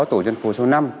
tổ dân phố số năm